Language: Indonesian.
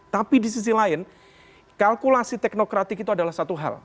tapi di sisi lain kalkulasi teknokratik itu adalah satu hal